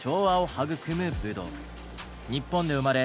日本で生まれ